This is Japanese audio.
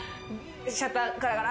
シャッターガラガラって。